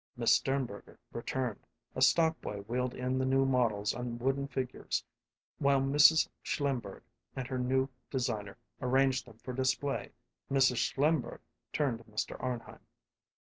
Miss Sternberger returned; a stock boy wheeled in the new models on wooden figures while Mrs. Schlimberg and her new designer arranged them for display. Mrs. Schlimberg turned to Mr. Arnheim.